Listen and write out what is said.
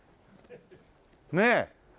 ねえ。